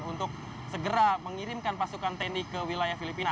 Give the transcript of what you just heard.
untuk segera mengirimkan pasukan tni ke wilayah filipina